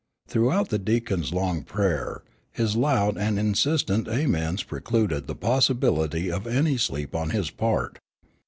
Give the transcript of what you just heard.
Throughout the Deacon's long prayer, his loud and insistent Amens precluded the possibility of any sleep on his part.